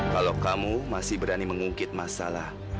kalau kamu masih berani mengungkit masalah